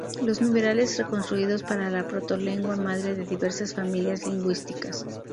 Los numerales reconstruidos para la protolengua madre de diversas familias lingüísticas.